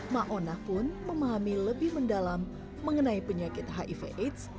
⁇ maona pun memahami lebih mendalam mengenai penyakit hiv aids